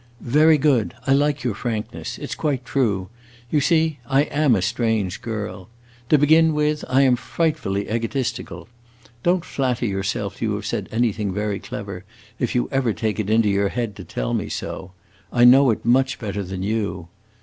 "Very good. I like your frankness. It 's quite true. You see, I am a strange girl. To begin with, I am frightfully egotistical. Don't flatter yourself you have said anything very clever if you ever take it into your head to tell me so. I know it much better than you.